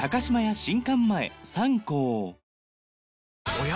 おや？